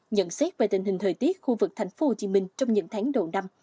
nhận xét về tình hình thời tiết khu vực thành phố hồ chí minh trong những tháng đầu năm